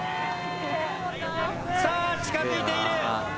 さあ近づいている。